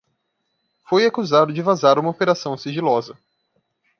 Foi acusado de vazar uma operação sigilosa.